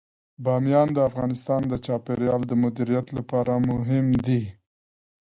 بامیان د افغانستان د چاپیریال د مدیریت لپاره مهم دي.